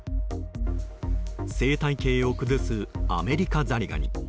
生態系を崩すアメリカザリガニ。